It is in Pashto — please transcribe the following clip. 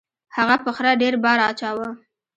هغه په خره ډیر بار اچاوه.